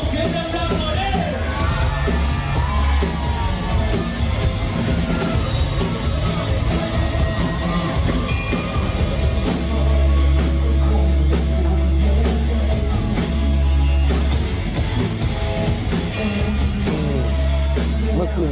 กระโดด่ง